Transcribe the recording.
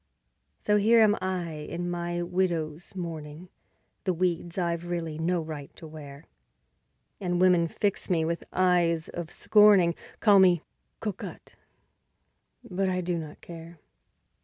So here am I in my widow's mourning, The weeds I've really no right to wear; And women fix me with eyes of scorning, Call me "cocotte", but I do not care.